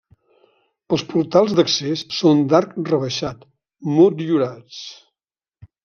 Els portals d'accés són d'arc rebaixat, motllurats.